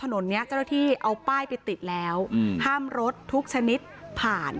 ถนนเนี้ยเจ้าหน้าที่เอาป้ายไปติดแล้วห้ามรถทุกชนิดผ่าน